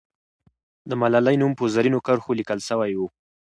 د ملالۍ نوم په زرینو کرښو لیکل سوی وو.